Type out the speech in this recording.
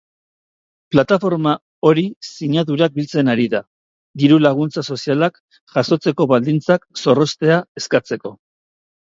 Plataforma hori sinadurak biltzen ari da, diru-laguntza sozialak jasotzeko baldintzak zorroztea eskatzeko.